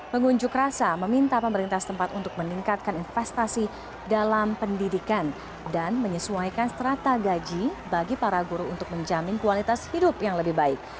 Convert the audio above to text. pengunjuk rasa meminta pemerintah setempat untuk meningkatkan investasi dalam pendidikan dan menyesuaikan strata gaji bagi para guru untuk menjamin kualitas hidup yang lebih baik